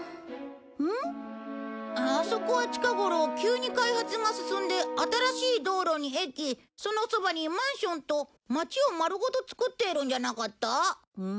あそこは近頃急に開発が進んで新しい道路に駅そのそばにマンションと町を丸ごと造っているんじゃなかった？